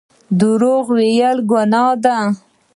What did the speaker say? درواغ ویل ګناه ده